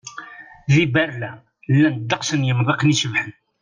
Di Berlin, llan ddeqs n yemḍiqen icebḥen.